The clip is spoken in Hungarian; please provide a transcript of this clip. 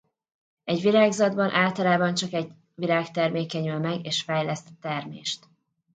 Egy virágzatban általában csak egy virág termékenyül meg és fejleszt termést.